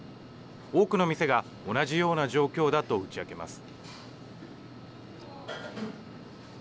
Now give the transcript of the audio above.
多くの店が同じような状況だと打ち明けます。